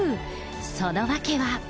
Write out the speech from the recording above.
その訳は。